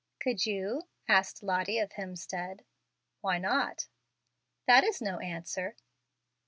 '" "Could you?" asked Lottie of Hemstead. "Why not?" "That is no answer."